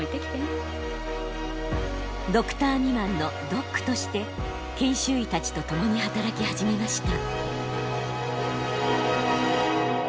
ドクター未満のドックとして研修医たちと共に働き始めました。